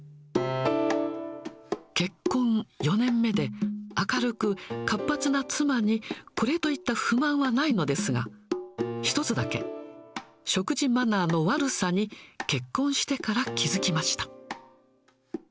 結婚４年目で、明るく活発な妻にこれといった不満はないのですが、一つだけ、食事マナーの悪さに結婚してから気付きました。